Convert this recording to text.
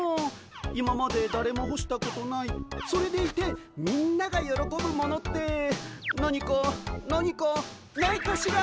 今までだれもほしたことないそれでいてみんながよろこぶものって何か何かないかしら。